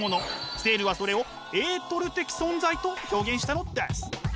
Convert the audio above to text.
セールはそれをエートル的存在と表現したのです。